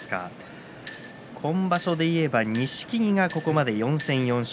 今場所でいえば錦木はここまで４戦４勝。